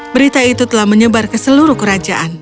berita itu telah menyebar ke seluruh kerajaan